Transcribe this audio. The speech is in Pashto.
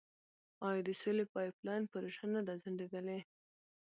آیا د سولې پایپ لاین پروژه نه ده ځنډیدلې؟